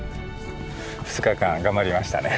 ２日間頑張りましたね。